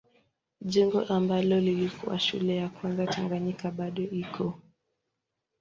Jengo ambalo lilikuwa shule ya kwanza Tanganyika bado iko.